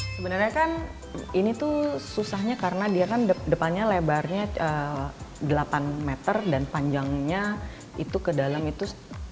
sebenarnya kan ini tuh susahnya karena dia kan depannya lebarnya delapan meter dan panjangnya itu ke dalam itu